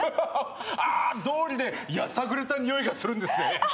どうりでやさぐれたにおいがするんですね。